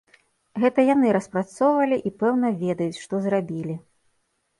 Гэта яны распрацоўвалі, і пэўна, ведаюць, што зрабілі.